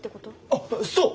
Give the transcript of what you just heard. あっそう！